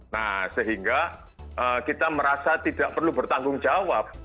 nah sehingga kita merasa tidak perlu bertanggung jawab